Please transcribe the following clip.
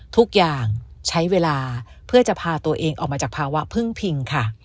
ทุกอย่างใช้เวลาเพื่อจะพาตัวเองออกมาจากภาวะพึ่งพิงค่ะ